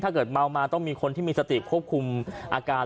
เกิดเมามาต้องมีคนที่มีสติควบคุมอาการ